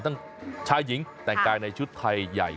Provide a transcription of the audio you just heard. ทั้งชายหญิงแต่งกายในชุดไทยใหญ่